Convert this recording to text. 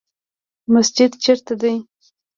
مسجد چیرته دی؟